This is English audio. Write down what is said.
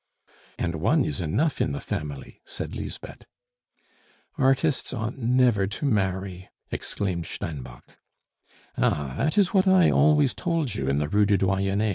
"And one is enough in the family!" said Lisbeth. "Artists ought never to marry!" exclaimed Steinbock. "Ah! that is what I always told you in the Rue du Doyenne.